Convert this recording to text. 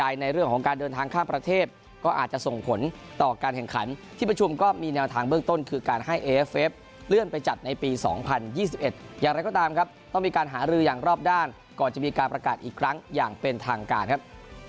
อย่างไรก็ตามครับต้องมีการหารืออย่างรอบด้านก่อนจะมีการประกาศอีกครั้งอย่างเป็นทางการครับ